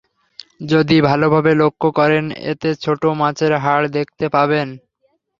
যদি ভালোভাবে লক্ষ্য করেন, এতে ছোটো মাছের হাড় দেখতে পাবেন।